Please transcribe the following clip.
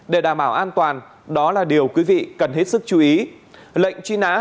để đảm bảo an toàn đó là điều quý vị cần hiểu